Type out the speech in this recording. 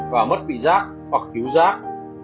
và mất vị giác hoặc thiếu giác